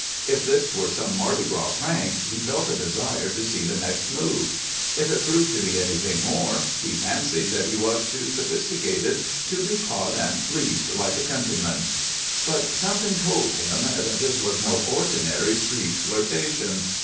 If this were some Mardi Gras prank, he felt a desire to see the next move. If it proved to be anything more, he fancied that he was too sophisticated to be caught and fleeced like a countryman. But something told him that this was no ordinary street flirtation.